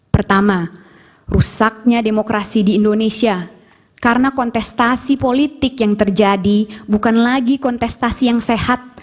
pertama rusaknya demokrasi di indonesia karena kontestasi politik yang terjadi bukan lagi kontestasi yang sehat